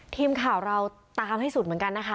ทีมข่าวเราตามให้สุดเหมือนกันนะคะ